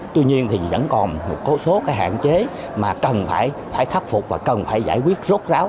tuy nhiên thì vẫn còn một số cái hạn chế mà cần phải khắc phục và cần phải giải quyết rốt ráo